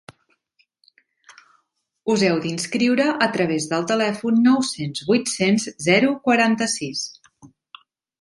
Us heu d'inscriure a través del telèfon nou-cents vuit-cents zero quaranta-sis